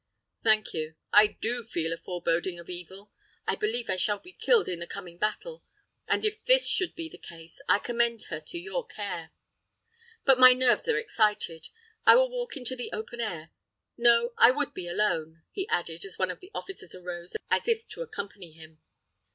"Thank you. I do feel a foreboding of evil. I believe I shall be killed in the coming battle. If this should be the case, I commend her to your care. But, my nerves are excited. I will walk into the open air. No! I would be alone!" he added, as one of the officers arose as if to accompany him.